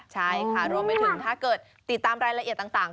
ใช่ค่ะรวมไปถึงถ้าเกิดติดตามรายละเอียดต่าง